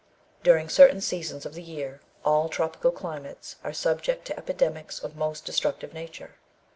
DURING certain seasons of the year, all tropical climates are subject to epidemics of a most destructive nature.